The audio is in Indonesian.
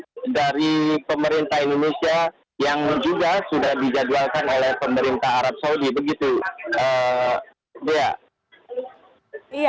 jemaah haji dari pemerintah indonesia yang juga sudah dijadwalkan oleh pemerintah arab saudi